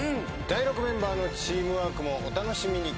ダイロクメンバーのチームワークもお楽しみに。